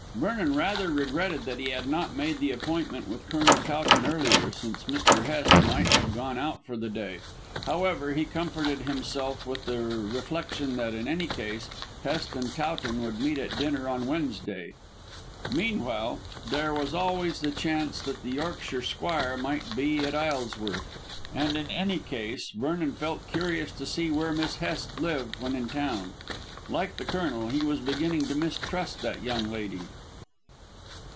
Vernon rather regretted that he had not made the appointment with Colonel Towton earlier, since Mr. Hest might have gone out for the day. However, he comforted himself with the reflection that in any case Hest and Towton would meet at dinner on Wednesday. Meanwhile, there was always the chance that the Yorkshire squire might be at Isleworth, and in any case Vernon felt curious to see where Miss Hest lived when in town. Like the Colonel, he was beginning to mistrust that young lady.